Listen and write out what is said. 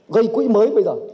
gây quỹ mới bây giờ